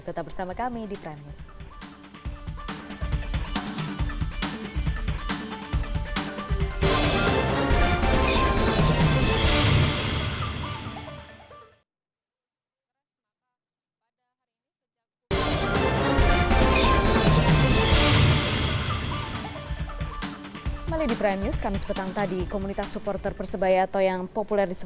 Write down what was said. tetap bersama kami di prime news